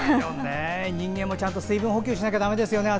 人間もちゃんと水分補給しなきゃだめですよね。